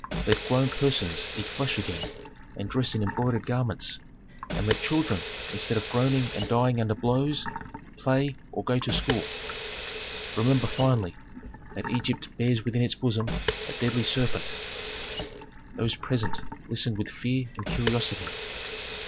Let grown persons eat flesh again and dress in embroidered garments, and let children, instead of groaning and dying under blows, play, or go to school. "Remember, finally, that Egypt bears within its bosom a deadly serpent." Those present listened with fear and curiosity.